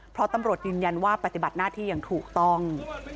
เพราะตำรวจยืนยันว่าปฏิบัติหน้าที่อย่างถูกต้อง